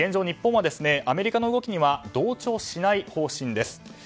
日本はアメリカの動きには同調しない方針です。